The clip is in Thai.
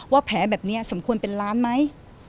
ว่าแผลแบบนี้สำควรเป็นร้านไหม